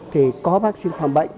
thì có vaccine phòng bệnh